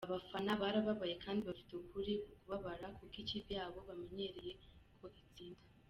Abafana barababaye kandi bafite ukuri ko kubabara kuko ikipe yabo bamenyereye ko itsinda”.